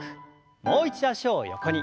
もう一度脚を横に。